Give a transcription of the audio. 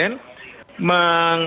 menghilangkan muka dari salah satu negara